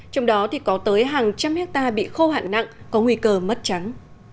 trong đó có tới hàng trăm hectare bị khô hạn nặng có nguy cơ mất trắng